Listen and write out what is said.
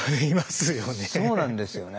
そうなんですよね。